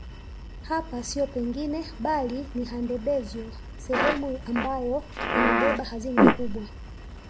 Hapa siyo pengine bali ni Handebezyo sehemu ambayo imebeba hazina kubwa